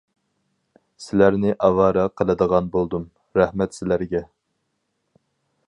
سىلەرنى ئاۋارە قىلىدىغان بولدۇم، رەھمەت سىلەرگە.